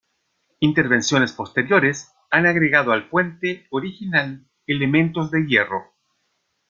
Intervenciones posteriores han agregado al puente original elementos de hierro.